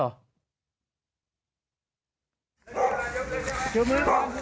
โอเคโอเค